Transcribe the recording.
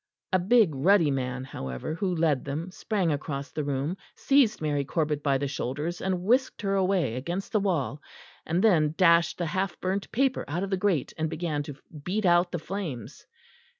A big ruddy man, however, who led them, sprang across the room, seized Mary Corbet by the shoulders and whisked her away against the wall, and then dashed the half burnt paper out of the grate and began to beat out the flames.